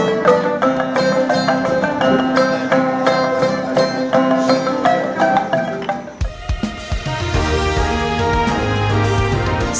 bapak ibu dan bapak ibu dan bapak ibu dan bapak ibu